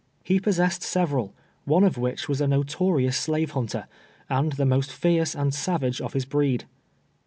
He possessed several, one of which was a notorious slave hunter, and the most fierce and savage of his breed.